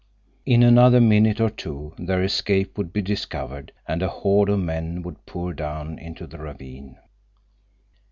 In another minute or two their escape would be discovered and a horde of men would pour down into the ravine.